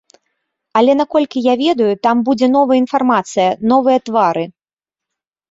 Але наколькі я ведаю, там будзе новая інфармацыя, новыя твары.